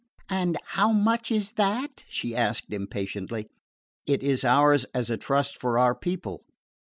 "And how much is that?" she asked impatiently. "It is ours as a trust for our people."